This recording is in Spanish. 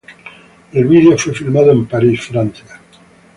El vídeo fue filmado en París, Francia.